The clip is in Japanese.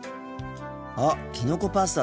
あっきのこパスタだ。